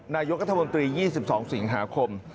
นายกัธมนตรี๒๒สิงหาคม